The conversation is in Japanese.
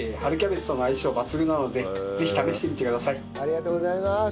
ありがとうございます。